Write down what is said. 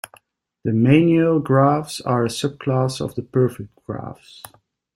The Meyniel graphs are a subclass of the perfect graphs.